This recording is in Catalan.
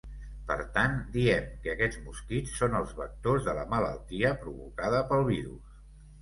Per tant, diem que aquests mosquits són els vectors de la malaltia provocada pel virus.